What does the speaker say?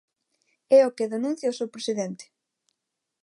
É o que denuncia o seu presidente.